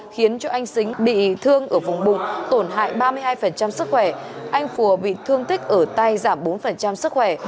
khiến cho anh xính bị thương ở vùng bụng tổn hại ba mươi hai sức khỏe anh phùa bị thương tích ở tay giảm bốn sức khỏe